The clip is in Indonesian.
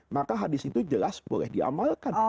maka hadis itu jelas boleh diamalkan